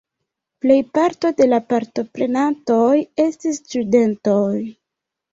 Plejparto de la partoprenantoj estis studentoj.